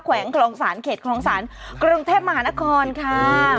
แขวงเขตคลองศาลกรึงเทพมหานครค่ะ